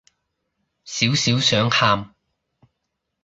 少少想喊